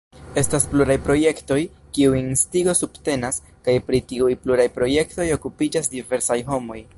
Estas pluraj projektoj, kiujn Instigo subtenas, kaj pri tiuj pluraj projektoj okupiĝas diversaj homoj.